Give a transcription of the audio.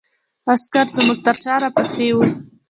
عسکر زموږ تر شا را پسې وو.